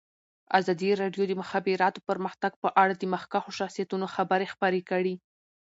ازادي راډیو د د مخابراتو پرمختګ په اړه د مخکښو شخصیتونو خبرې خپرې کړي.